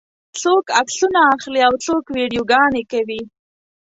څوک عکسونه اخلي او څوک ویډیوګانې کوي.